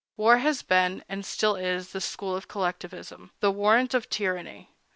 War has been, and still is, the school of collectivism, the warrant of tyranny.